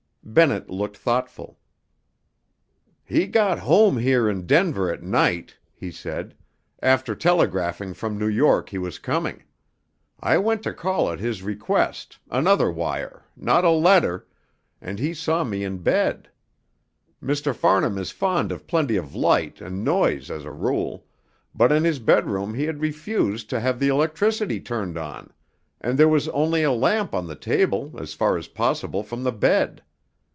Bennett looked thoughtful. "He got home here in Denver at night," he said, "after telegraphing from New York he was coming; I went to call at his request another wire not a letter and he saw me in bed. Mr. Farnham is fond of plenty of light and noise as a rule, but in his bedroom he had refused to have the electricity turned on, and there was only a lamp on the table, as far as possible from the bed.